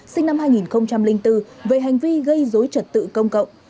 sinh năm hai nghìn bốn về hành vi gây dối trật tự công cộng